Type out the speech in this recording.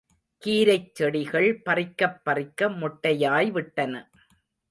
கீரைச் செடிகள் பறிக்கப் பறிக்க மொட்டையாய் விட்டன.